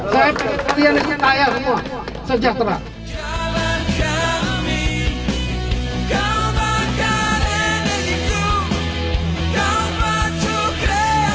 saya pengen kekayaan semua